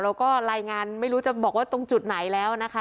เราก็รายงานไม่รู้จะบอกว่าตรงจุดไหนแล้วนะคะ